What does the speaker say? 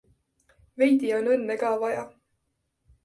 Veidi on õnne ka vaja.